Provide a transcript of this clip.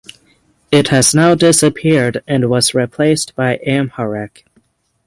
It has now disappeared and was replaced by Amharic.